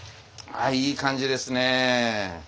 あいい感じですね。